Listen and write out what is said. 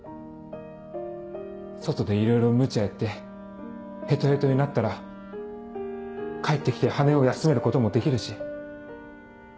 外でいろいろムチャやってヘトヘトになったら帰って来て羽を休めることもできるし。